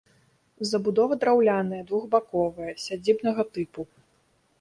Забудова драўляная, двухбаковая, сядзібнага тыпу.